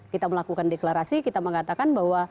kita melakukan deklarasi kita mengatakan bahwa